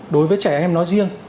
đối với trẻ em nói riêng